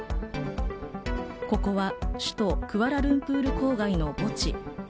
ここは首都クアラルンプール郊外の墓地。